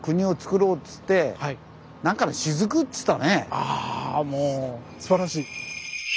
あぁもうすばらしい！